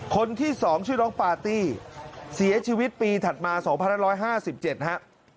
คนที่๒ชื่อน้องปาร์ตี้เสียชีวิตปีถัดมา๒๕๕๗ฮะ